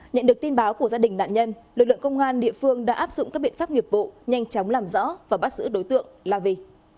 nhận được tin báo của gia đình nạn nhân lực lượng công an địa phương đã áp dụng các biện pháp nghiệp vụ nhanh chóng làm rõ và bắt giữ đối tượng la vi